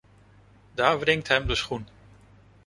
Daar wringt hem de schoen!